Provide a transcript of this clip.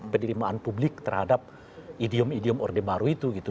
penerimaan publik terhadap idiom idiom orde baru itu gitu